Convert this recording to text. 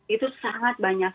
itu sangat banyak